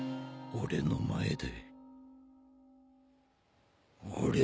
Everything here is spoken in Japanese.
俺の前で。